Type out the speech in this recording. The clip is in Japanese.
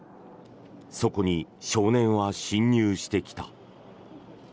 そこに少年は侵入してきた。